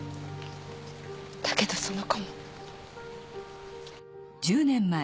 だけどその子も。